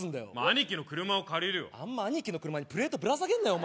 兄貴の車を借りるよあんま兄貴の車にプレートぶら下げんなよ